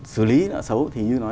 xử lý nợ xấu thì như nói